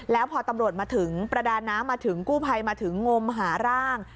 แล้วพอตำรวจมาถึงประดาน้ำมาถึงกู้ภัยมาถึงงมหาร่าง